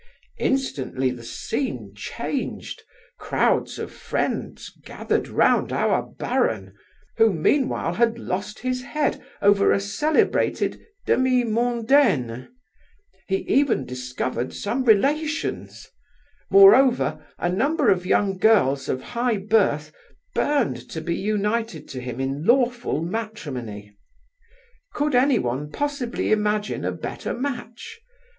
Instantly the scene changed, crowds of friends gathered round our baron, who meanwhile had lost his head over a celebrated demi mondaine; he even discovered some relations; moreover a number of young girls of high birth burned to be united to him in lawful matrimony. Could anyone possibly imagine a better match?